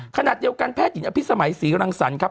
ขณะเดียวกันแพทย์หญิงอภิษมัยศรีรังสรรค์ครับ